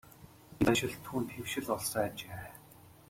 Ийм заншил түүнд хэвшил болсон ажээ.